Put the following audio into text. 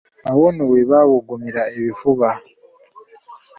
Awo nno we baabugumira ebifuba.